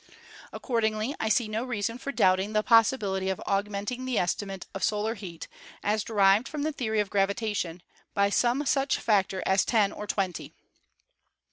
Accordingly, I see no reason for doubting the possibility of augmenting the estimate of solar heat, as derived from the theory of gravitation, by some such factor as ten or twenty."